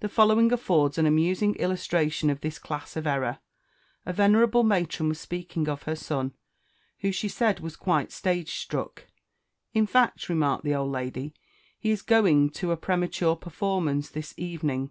The following affords an amusing illustration of this class of error: A venerable matron was speaking of her son, who, she said, was quite stage struck. "In fact," remarked the old lady, "he is going to a premature performance this evening!"